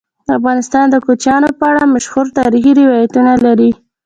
افغانستان د کوچیان په اړه مشهور تاریخی روایتونه لري.